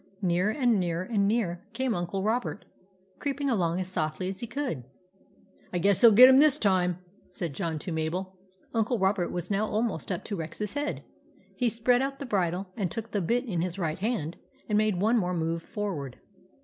Nearer and nearer and nearer came Uncle Robert, creeping along as softly as he could. " I guess he '11 get him this time," said John to Mabel. Uncle Robert was now almost up to Rex's head. He spread out the bridle and took the bit in his right hand and made one more move forward.